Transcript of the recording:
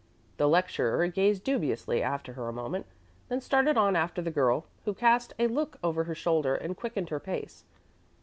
The lecturer gazed dubiously after her a moment, and then started on after the girl, who cast a look over her shoulder and quickened her pace.